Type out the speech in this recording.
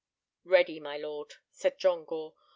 "Ready, my lord," said John Gore.